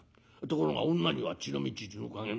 ところが女には血の道血の加減。